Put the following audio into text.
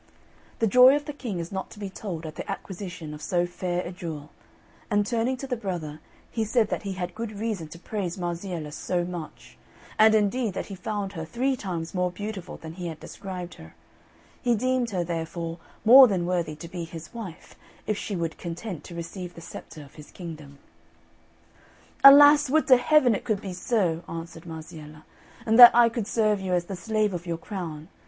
The joy of the King is not to be told at the acquisition of so fair a jewel; and turning to the brother he said that he had good reason to praise Marziella so much, and indeed that he found her three times more beautiful than he had described her; he deemed her, therefore, more than worthy to be his wife if she would be content to receive the sceptre of his kingdom. "Alas, would to Heaven it could be so!" answered Marziella, "and that I could serve you as the slave of your crown!